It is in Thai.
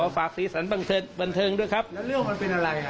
แล้วเรื่องมันเป็นอะไร